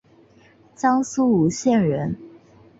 江苏吴县人。